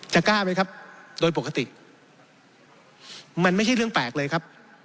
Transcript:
กล้าไหมครับโดยปกติมันไม่ใช่เรื่องแปลกเลยครับ